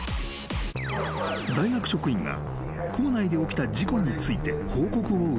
［大学職員が構内で起きた事故について報告を受けていた］